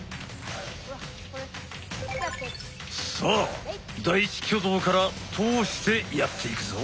さあ第１挙動から通してやっていくぞ！